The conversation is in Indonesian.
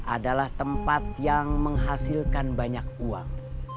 adalah tempat yang menghasilkan banyak uang